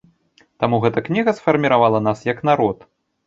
Таму гэта кніга сфарміравала нас як народ.